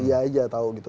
iya aja tau gitu